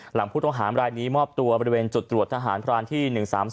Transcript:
หลังผู้ต้องหามรายนี้มอบตัวบริเวณจุดตรวจทหารพรานที่๑๓๒